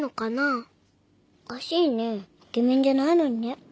おかしいねイケメンじゃないのにね。